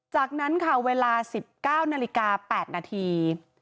จากนั้นค่ะเวลา๑๙นาฬิกา๘นาที